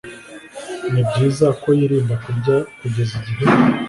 ni byiza ko yirinda kurya kugeza igihe